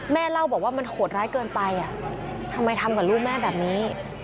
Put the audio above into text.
เล่าบอกว่ามันโหดร้ายเกินไปทำไมทำกับลูกแม่แบบนี้